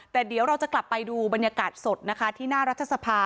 แต่เดี๋ยวเราจะกลับไปดูบรรยากาศสดนะคะที่หน้ารัฐสภา